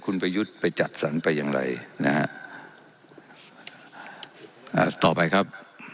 คุณประยุทธ์ไปจัดสรรไปอย่างไรนะฮะอ่าต่อไปครับ